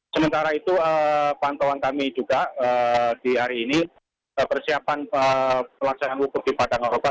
sementara itu pantauan kami juga di hari ini persiapan pelaksanaan hukum di padang aroka